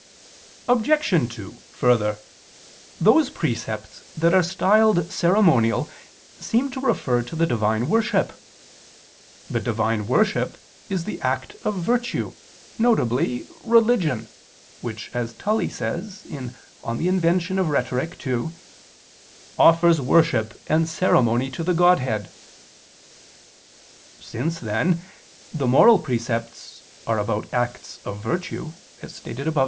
Obj. 2: Further, those precepts that are styled ceremonial seem to refer to the Divine worship. But Divine worship is the act of a virtue, viz. religion, which, as Tully says (De Invent. ii) "offers worship and ceremony to the Godhead." Since, then, the moral precepts are about acts of virtue, as stated above (A.